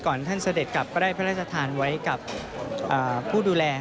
ท่านเสด็จกลับก็ได้พระราชทานไว้กับผู้ดูแล